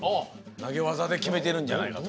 投げ技で決めてるんじゃないかと。